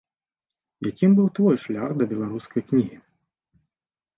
Якім быў твой шлях да беларускай кнігі?